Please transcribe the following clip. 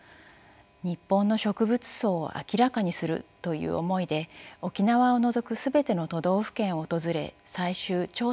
日本の植物相を明らかにするという思いで沖縄を除く全ての都道府県を訪れ採集調査を行いました。